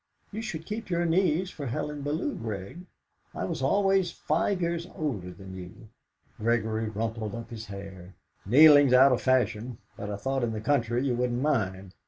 "You should keep your knees for Helen Bellow, Grig. I was always five years older than you." Gregory rumpled up his hair. "Kneeling's out of fashion, but I thought in the country you wouldn't mind!"